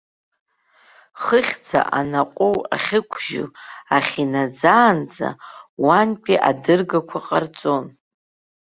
Хыхьӡа, анаҟәоу ахьықәжьу ахь инаӡаанӡа, уантәи адыргақәа ҟарҵон.